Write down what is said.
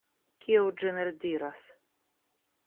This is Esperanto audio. Kiu ĝin eldiras?